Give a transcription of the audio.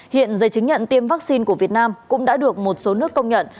hiện giấy chứng nhận tiêm vaccine của việt nam cũng đã được một số nước công nhận